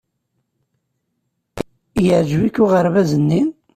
Yeɛjeb-ik uɣerbaz-nni?